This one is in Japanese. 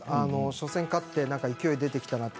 初戦勝って、勢い出てきたなと。